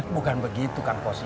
bukan begitu pak kosi